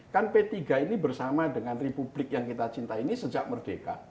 kan p tiga ini bersama dengan republik yang kita cintai ini sejak merdeka